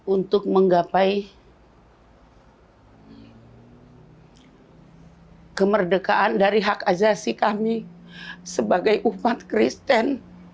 untuk menggapai kemerdekaan dari hak ajasi kami sebagai umat kristen